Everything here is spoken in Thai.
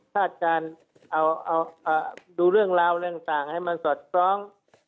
ชาติการดูเรื่องราวเรื่องต่างให้มันสอดซ้อง